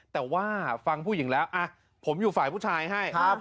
แต่ว่าฟังผู้หญิงแล้วผมอยู่ฝ่ายผู้ชายให้